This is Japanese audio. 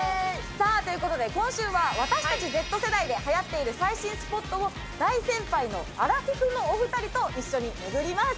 さあ、ということで、今週は私たちＺ世代ではやっている最新スポットを、大先輩のアラフィフのお２人と一緒に巡ります。